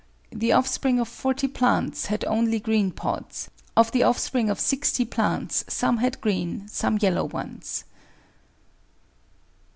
The offspring of 40 plants had only green pods; of the offspring of 60 plants some had green, some yellow ones.